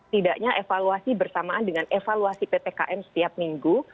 tidaknya evaluasi bersamaan dengan evaluasi ppkm setiap minggu